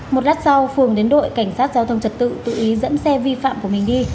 một lát sau phường đến đội cảnh sát giao thông trật tự tự ý dẫn xe vi phạm của mình đi